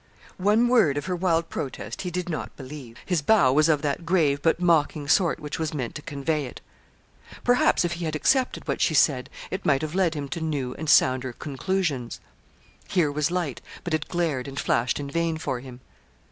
One word of her wild protest he did not believe. His bow was of that grave but mocking sort which was meant to convey it. Perhaps if he had accepted what she said it might have led him to new and sounder conclusions. Here was light, but it glared and flashed in vain for him.